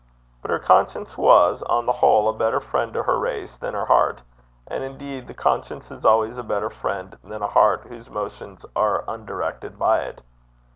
But her conscience was, on the whole, a better friend to her race than her heart; and, indeed, the conscience is always a better friend than a heart whose motions are undirected by it.